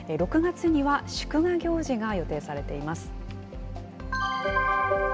６月には祝賀行事が予定されています。